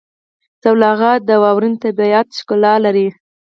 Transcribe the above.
سلواغه د واورین طبیعت ښکلا لري.